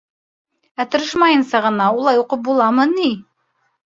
Ә тырышмайынса ғына улай уҡып буламы ни?